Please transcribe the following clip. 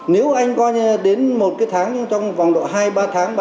nếu anh có đến một cái tháng trong vòng độ hai ba tháng